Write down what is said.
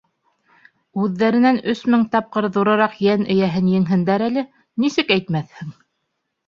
Үҙҙәренән өс мең тапкыр ҙурыраҡ йән эйәһен еңһендәр әле, нисек әйтмәҫһең!